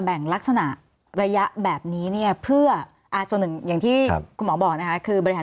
แบ่งลักษณะระยะแบบนี้เนี่ยเพื่ออ่าส่วนหนึ่งอย่างที่คุณหมอบอกนะคะคือบริหาร